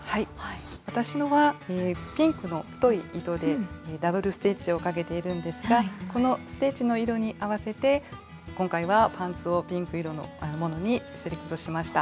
私のはピンクの太い糸でダブルステッチをかけているんですがこのステッチの色に合わせて今回はパンツをピンク色のものにセレクトしました。